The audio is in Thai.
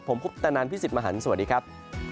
ผมพุทธนันพี่สิทธิ์มหันฯสวัสดีครับ